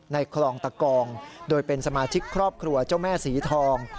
คลองตะกองโดยเป็นสมาชิกครอบครัวเจ้าแม่สีทอง